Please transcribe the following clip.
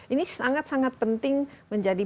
ini sangat sangat penting menjadi